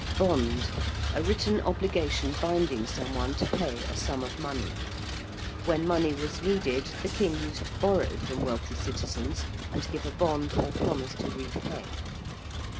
~bond~: a written obligation binding someone to pay a sum of money. When money was needed the King used to borrow from wealthy citizens and give a bond or promise to repay.